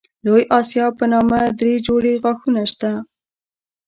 د لوی آسیاب په نامه دری جوړې غاښونه شته.